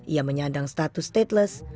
ia menyandang status stateless